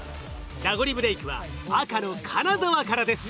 ラゴリブレイクは赤の金沢からです。